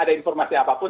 ada informasi apapun